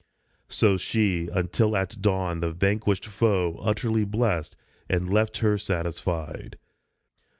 So she ; until at dawn the vanquished foe Utterly blessed, and left her satisfied.